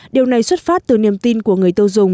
điều này xuất phát từ niềm tin của người tiêu dùng